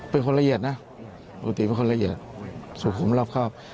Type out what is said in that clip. เป็นคนละเอียดนะปกติเป็นคนละเอียดสุขุมรอบครอบ